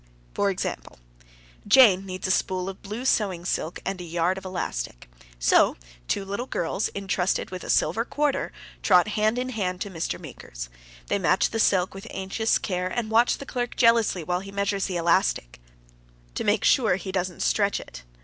For example, Jane needs a spool of blue sewing silk and a yard of elastic; so two little girls, intrusted with a silver quarter, trot hand in hand to Mr. Meeker's. They match the silk with anxious care, and watch the clerk jealously while he measures the elastic, to make sure that he doesn't stretch it.